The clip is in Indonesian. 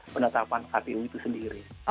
penetapan apbn itu sendiri